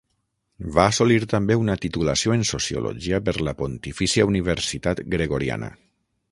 Va assolir també una titulació en sociologia per la Pontifícia Universitat Gregoriana.